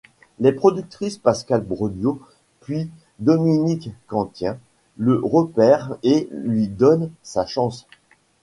Les productrices Pascale Breugnot puis Dominique Cantien le repèrent et lui donnent sa chance.